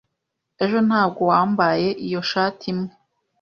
Ejo ntabwo wambaye iyo shati imwe?